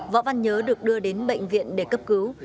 võ văn nhớ được đưa đến bệnh viện để cấp cứu